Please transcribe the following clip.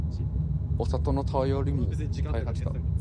お里の便りも絶え果てた